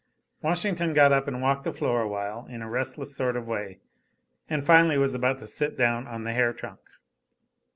Washington got up and walked the floor a while in a restless sort of way, and finally was about to sit down on the hair trunk.